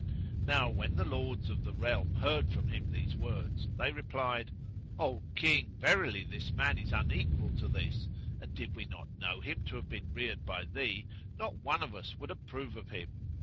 Now when the Lords of the Realm heard from him these words, they replied, "O King, verily this man.[FN#104] is unequal to this, and did we not know him to have been reared by thee, not one of us would approve of him.